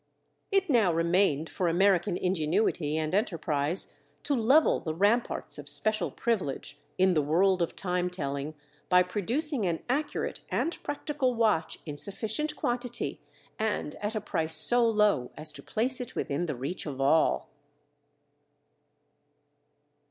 It now remained for American ingenuity and enterprise to level the ramparts of special privilege in the world of time telling by producing an accurate and practical watch in sufficient quantity and at a price so low as to place it within the reach of all.